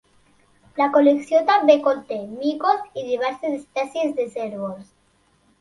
La col·lecció també conté micos i diverses espècies de cérvols.